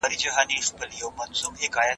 په تاريخي ليکو کي انګېزه شته.